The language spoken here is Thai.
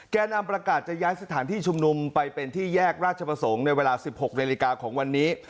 แก่นำประกาศจะย้ายสถานที่ชุมนุมไปเป็นที่แยกราชประสงค์ในเวลา๑๖นาฬิกาของวันนี้